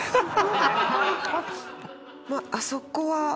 あそこは。